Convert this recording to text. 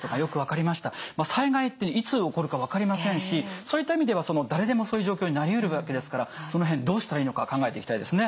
災害っていつ起こるか分かりませんしそういった意味では誰でもそういう状況になりうるわけですからその辺どうしたらいいのか考えていきたいですね。